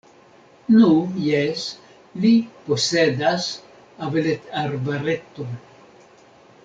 Nu, jes, li posedas aveletarbareton.